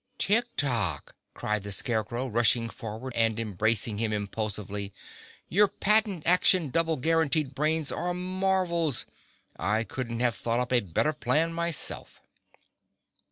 "Tik Tok," cried the Scarecrow, rushing forward and embracing him impulsively, "your patent action double guaranteed brains are marvels. I couldn't have thought up a better plan myself."